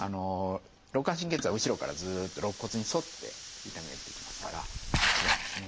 肋間神経痛は後ろからずっと肋骨に沿って痛みが出てきますから違いますね。